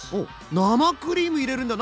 生クリーム入れるんだ！